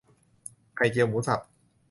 ไข่เจียวหมูสับ